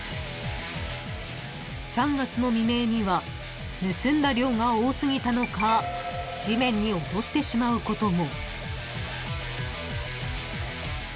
［３月の未明には盗んだ量が多過ぎたのか地面に落としてしまうことも］